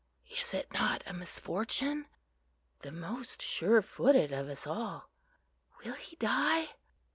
"Is it not a misfortune?" "The most surefooted of us all!" "Will he die?"